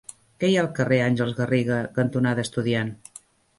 Què hi ha al carrer Àngels Garriga cantonada Estudiant?